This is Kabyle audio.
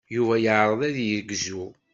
Yuba yeɛreḍ ad yegzu.